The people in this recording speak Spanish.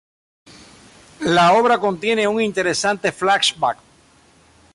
La obra contiene un interesante flash-back.